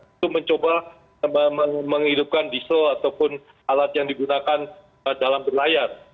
itu mencoba menghidupkan diesel ataupun alat yang digunakan dalam berlayar